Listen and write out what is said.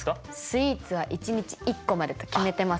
スイーツは一日１個までと決めてますんで。